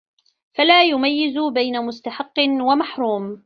فَلَا يُمَيِّزُ بَيْنَ مُسْتَحِقٍّ وَمَحْرُومٍ